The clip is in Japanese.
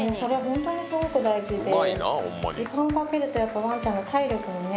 ホントにすごく大事で。